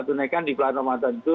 duniaikan di pulau ramadan itu